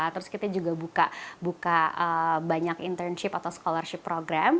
terus kita juga buka banyak internship atau scholarship program